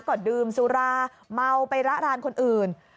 ก็ดื่มสุราเมาไประรานคนอื่น